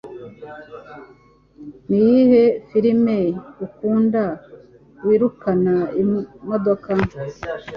Niyihe firime ukunda wirukana imodoka?